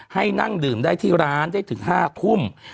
ให้นั่งดื่มได้ที่ร้านได้ถึง๕ทุ่ม